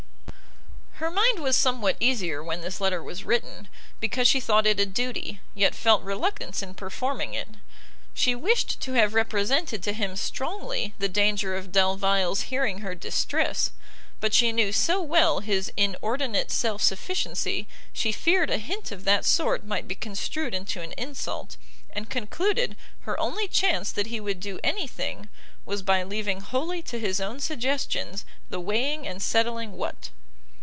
Her mind was somewhat easier when this letter was written, because she thought it a duty, yet felt reluctance in performing it. She wished to have represented to him strongly the danger of Delvile's hearing her distress, but she knew so well his inordinate self sufficiency, she feared a hint of that sort might be construed into an insult, and concluded her only chance that he would do any thing, was by leaving wholly to his own suggestions the weighing and settling what.